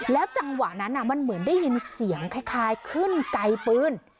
แล้วจังหวะนั้นอ่ะมันเหมือนได้ยินเสียงคล้ายคล้ายขึ้นไกลปืน